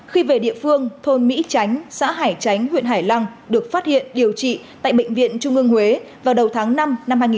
khi về địa phương thôn mỹ tránh xã hải chánh huyện hải lăng được phát hiện điều trị tại bệnh viện trung ương huế vào đầu tháng năm năm hai nghìn hai mươi